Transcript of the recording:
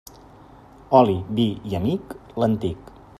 Oli, vi i amic, l'antic.